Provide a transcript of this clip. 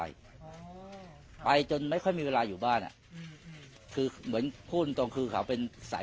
อย่างที่เขามองว่าเอ้ยทำหลอกลวงประชาชนหรือเปล่าอันนี้